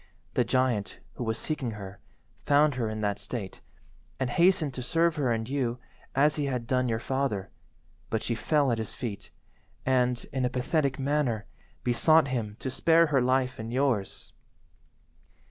The giant, who was seeking her, found her in that state, and hastened to serve her and you as he had done your father, but she fell at his feet, and, in a pathetic manner, besought him to spare her life and yours.